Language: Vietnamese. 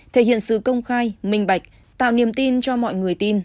thể hiện sự công khai minh bạch tạo niềm tin cho mọi người tin